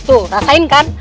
tuh rasain kan